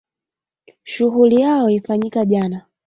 Shuhuli yao ifanyiki jana